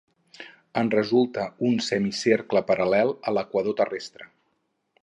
En resulta un semicercle paral·lel a l’equador terrestre.